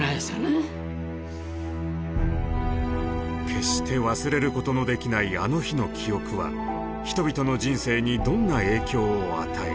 決して忘れることのできないあの日の記憶は人々の人生にどんな影響を与え